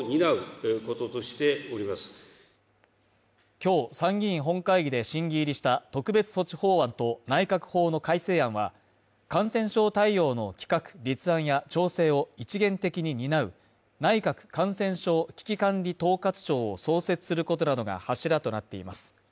今日参議院本会議で審議入りした特別措置法案と内閣法の改正案は感染症対応の企画・立案や調整を一元的に担う内閣感染症危機管理統括庁を創設することなどが柱となっています。